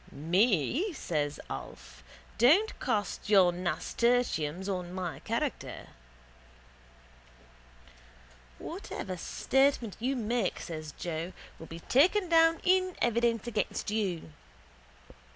—Me? says Alf. Don't cast your nasturtiums on my character. —Whatever statement you make, says Joe, will be taken down in evidence against you.